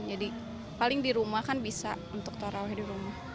jadi paling di rumah kan bisa untuk tarawih di rumah